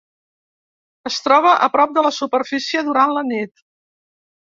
Es troba a prop de la superfície durant la nit.